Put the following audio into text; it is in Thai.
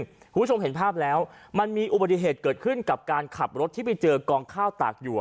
คุณผู้ชมเห็นภาพแล้วมันมีอุบัติเหตุเกิดขึ้นกับการขับรถที่ไปเจอกองข้าวตากอยู่